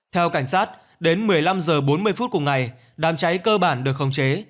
theo cảnh sát đến một mươi năm h bốn mươi phút cùng ngày đám cháy cơ bản được khống chế